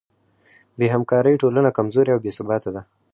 بېهمکارۍ ټولنه کمزورې او بېثباته ده.